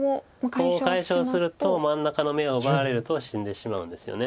コウを解消すると真ん中の眼を奪われると死んでしまうんですよね。